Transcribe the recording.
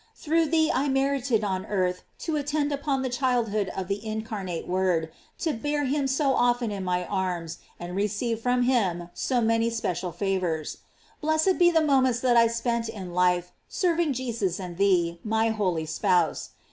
Through thee I merited on earth to attend upon the childhood of the incarnate Word, to bear him so often in my arms, and receive from him so many special favors. Blessed be the moments that I spent in life serving Jesus and thee, my holy spouse.